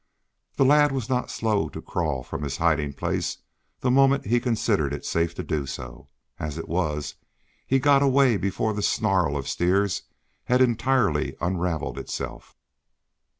The lad was not slow to crawl from his hiding place the moment he considered it safe to do so. As it was, he got away before the snarl of steers had entirely unraveled itself.